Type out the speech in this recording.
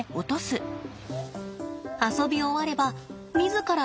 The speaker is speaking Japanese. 遊び終われば自ら返却。